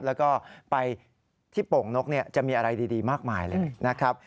แล้วก็ไปที่โป่งนกจะมีอะไรดีมากมายเลยนะครับ